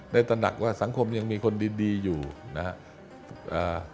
ได้ตระหนักว่าสังคมยังมีคนดีอยู่นะฮะ